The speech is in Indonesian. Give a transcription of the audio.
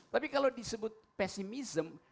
tapi kalau disebut pesimism